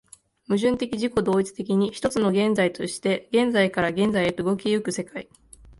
矛盾的自己同一的に、一つの現在として現在から現在へと動き行く世界